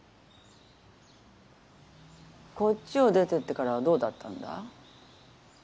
こっちを出てってからはどうだったんだ？